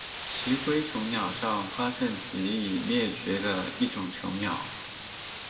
奇辉椋鸟上发现及已灭绝的一种椋鸟。